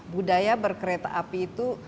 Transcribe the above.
budaya berkereta api itu